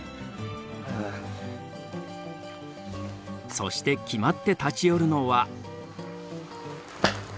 そして決まって立ち寄るのは。